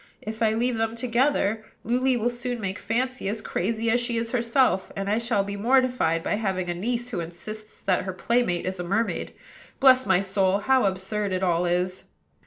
If I leave them together, Luly will soon make Fancy as crazy as she is herself, and I shall be mortified by having a niece who insists that her playmate is a mermaid. Bless my soul! how absurd it all is!"